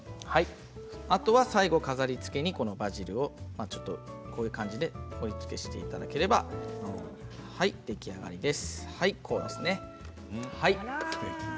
あとは最後、飾りつけにバジルをちょっとこんな感じで盛りつけしていただければ出来上がりです。